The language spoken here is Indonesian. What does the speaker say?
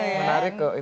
menarik menarik sekali